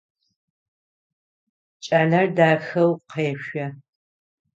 Кӏалэр дахэу къэшъо.